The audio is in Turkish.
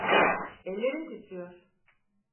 Ellerin titriyor.